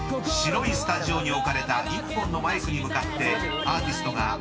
［白いスタジオに置かれた１本のマイクに向かってアーティストが］